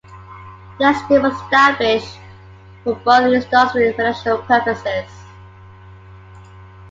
The Estate was established for both Industrial and Residential purposes.